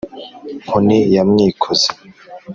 nkoni ya mwikozi,